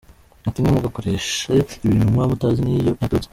ati “Ntimugakoreshe ibintu muba mutazi n’iyo byaturutse.